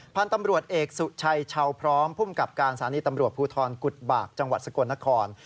พันธุ์ตำรวจเอกสุชัยชาวพร้อมภูมิกับการสถานีตำรวจภูทรกุฎบากจังหวัดสกลนคร